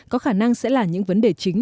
có khả năng sẽ là những vấn đề chính